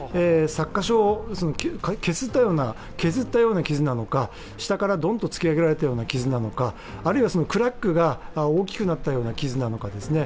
擦過傷、削ったような傷なのか、下からドンと突き上げられたような傷なのか、あるいはクラックが大きくなったような傷なのか